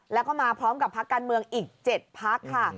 แล้วก็มาพร้อมกับพักการเมืองอีก๗พักค่ะ